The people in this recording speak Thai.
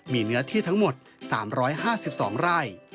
มีเนื้อที่ทั้งหมด๓๕๒ไร่